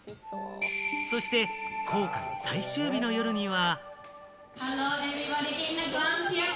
そして航海最終日の夜には。